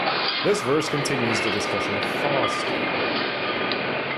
This verse continues the discussion of fasting.